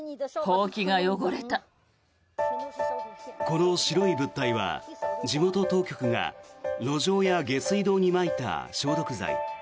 この白い物体は地元当局が路上や下水道にまいた消毒剤。